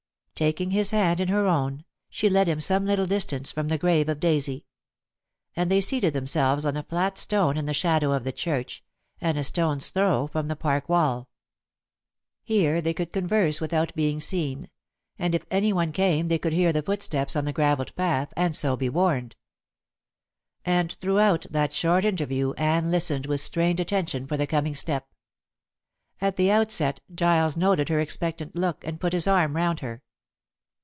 Taking his hand in her own, she led him some little distance from the grave of Daisy; and they seated themselves on a flat stone in the shadow of the church, and a stone's throw from the park wall. Here they could converse without being seen, and if any one came they could hear the footsteps on the gravelled path, and so be warned. And throughout that short interview Anne listened with strained attention for the coming step. At the outset Giles noted her expectant look and put his arm round her.